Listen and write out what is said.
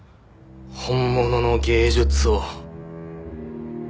本物の芸術を。